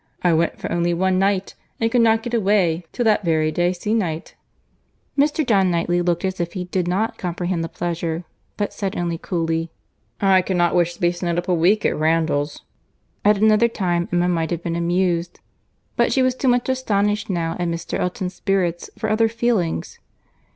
I went for only one night, and could not get away till that very day se'nnight." Mr. John Knightley looked as if he did not comprehend the pleasure, but said only, coolly, "I cannot wish to be snowed up a week at Randalls." At another time Emma might have been amused, but she was too much astonished now at Mr. Elton's spirits for other feelings.